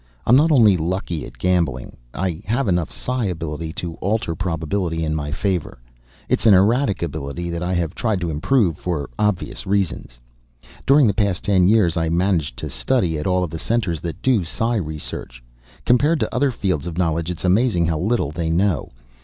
I'm not only lucky at gambling. I have enough psi ability to alter probability in my favor. It's an erratic ability that I have tried to improve for obvious reasons. During the past ten years I managed to study at all of the centers that do psi research. Compared to other fields of knowledge it is amazing how little they know.